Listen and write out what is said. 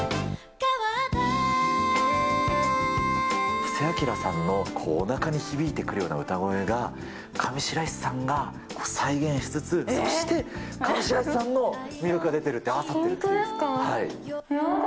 布施明さんのおなかに響いてくるような歌声が、上白石さんが再現しつつ、そして上白石さんの魅力が混ざっている、本当ですか？